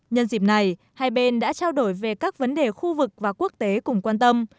nhân dịp này hai bên đã trao đổi về các vấn đề khu vực và quốc tế cùng quan tâm